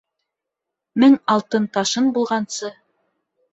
Мең алтын ташын булғансы